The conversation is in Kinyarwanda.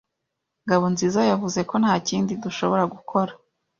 Ngabonziza yavuze ko ntakindi dushobora gukora.